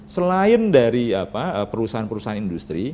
selain dari perusahaan industri